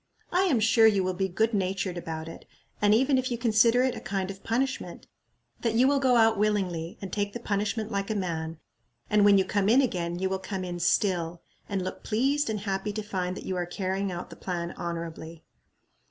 I am sure you will be good natured about it, and even if you consider it a kind of punishment, that you will go out willingly, and take the punishment like a man; and when you come in again you will come in still, and look pleased and happy to find that you are carrying out the plan honorably."